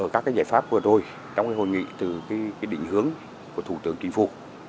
các giải pháp vừa rồi trong hội nghị từ định hướng của thủ tướng chính phủ